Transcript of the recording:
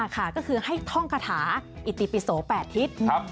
ก็คือให้ท่องคาถาอิติปิโส๘ทิศ